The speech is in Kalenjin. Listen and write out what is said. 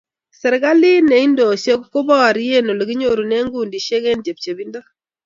serikalit ne indoise ko porie olekinyoru kundishek eng chepchepindo